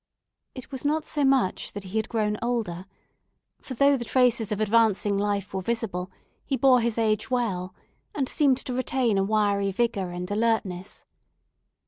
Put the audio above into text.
It was not so much that he had grown older; for though the traces of advancing life were visible, he bore his age well, and seemed to retain a wiry vigour and alertness.